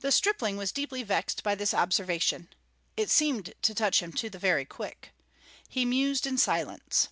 The stripling was deeply vexed by this observation; it seemed to touch him to the very quick. He mused in silence.